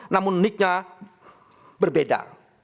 namun nicknya berbeda